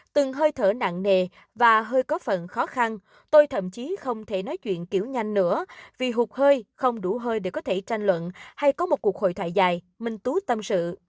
từng hơi thở nặng nề và hơi có phần khó khăn tôi thậm chí không thể nói chuyện kiểu nhanh nữa vì hụt hơi không đủ hơi để có thể tranh luận hay có một cuộc hội thoại dài minh tú tâm sự